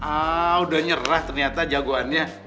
ah udah nyerah ternyata jagoannya